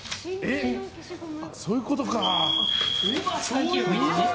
そういうことか。